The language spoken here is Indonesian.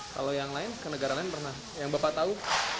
kalau yang lain ke negara lain pernah yang bapak tahu